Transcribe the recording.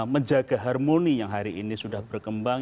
menjaga harmoni yang hari ini sudah berkembang